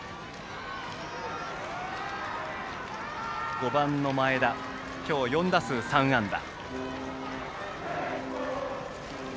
５番の前田、今日４打数３安打。